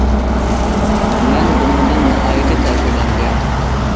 مەن بۇنىڭدىن ناھايىتى تەسىرلەندىم.